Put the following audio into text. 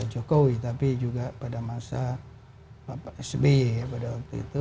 jokowi tapi juga pada masa sby pada waktu itu